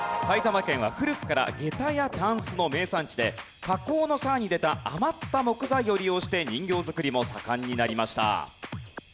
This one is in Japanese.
埼玉県は古くから下駄やタンスの名産地で加工の際に出た余った木材を利用して人形作りも盛んになりました。